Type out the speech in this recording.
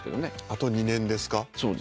あと２年ですか。